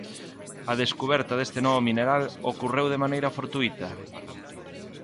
A descuberta deste novo mineral, ocorreu de maneira fortuíta?